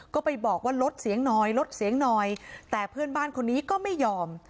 ก็ไปบอกว่าลดเสียงหน่อยลดเสียงหน่อยแต่เพื่อนบ้านคนนี้ก็ไม่ยอม